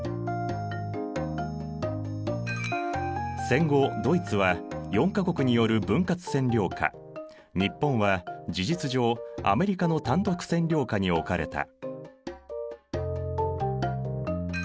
戦後ドイツは４か国による分割占領下日本は事実上アメリカの単独占領下におかれた。